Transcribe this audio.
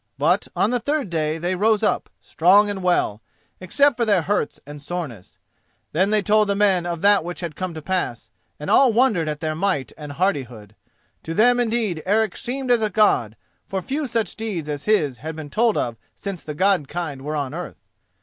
But on the third day they rose up, strong and well, except for their hurts and soreness. Then they told the men of that which had come to pass, and all wondered at their might and hardihood. To them indeed Eric seemed as a God, for few such deeds as his had been told of since the God kind were on earth.